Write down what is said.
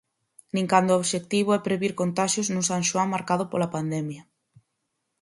Nin cando o obxectivo é previr contaxios nun San Xoán marcado pola pandemia.